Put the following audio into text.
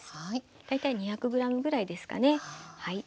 大体２００ｇぐらいですかねはい。